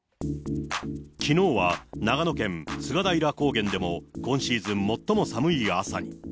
きのうは長野県菅平高原でも、今シーズン最も寒い朝に。